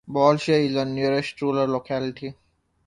Bolshoy is the nearest rural locality.